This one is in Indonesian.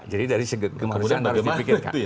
jadi dari segi kemanusiaan harus dipikirkan